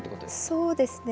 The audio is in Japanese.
そうですね。